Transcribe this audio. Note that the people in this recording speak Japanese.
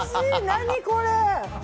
何これ。